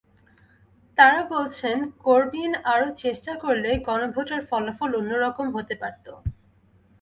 তাঁরা বলছেন, করবিন আরও চেষ্টা করলে গণভোটের ফলাফল অন্য রকম হতে পারত।